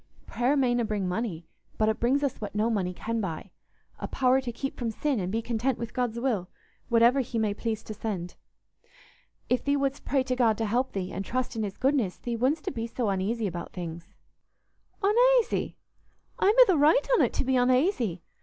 Prayer mayna bring money, but it brings us what no money can buy—a power to keep from sin and be content with God's will, whatever He may please to send. If thee wouldst pray to God to help thee, and trust in His goodness, thee wouldstna be so uneasy about things." "Unaisy? I'm i' th' right on't to be unaisy.